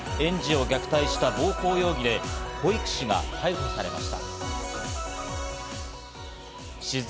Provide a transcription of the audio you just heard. トップは園児を虐待した暴行容疑で保育士が逮捕されました。